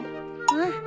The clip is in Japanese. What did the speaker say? うん？